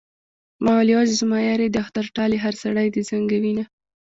ما ويل يوازې زما يار يې د اختر ټال يې هر سړی دې زنګوينه